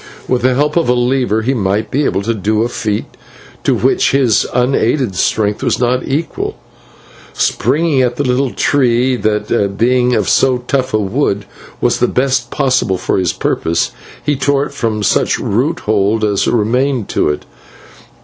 With the help of a lever he might be able to do a feat to which his unaided strength was not equal. Springing at the little tree, that being of so tough a wood was the best possible for his purpose, he tore it from such root hold as remained to it.